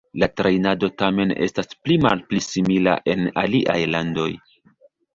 La trejnado tamen estas pli malpli simila en aliaj landoj.